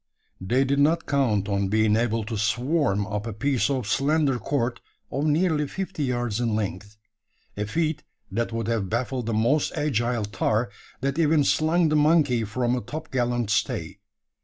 They did not count on being able to "swarm" up a piece of slender cord of nearly fifty yards in length a feat that would have baffled the most agile tar that ever "slung the monkey" from a topgallant stay.